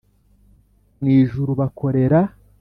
Mu ijuru bakorera